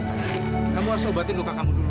kamu tenang kamu harus obatin luka kamu dulu